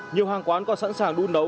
nhiều hàng quán còn sẵn sàng đun nấu